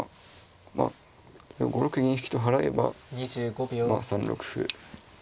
まあ５六銀引と払えばまあ３六歩。